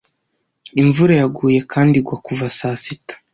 Imvura yaguye kandi igwa kuva saa sita.